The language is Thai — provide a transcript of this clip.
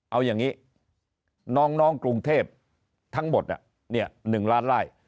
เอาอย่างนี้น้องกรุงเทพทั้งหมด๑ล้านไล่